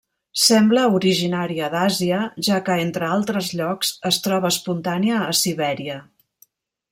Sembla originària d'Àsia, ja que entre altres llocs es troba espontània a Sibèria.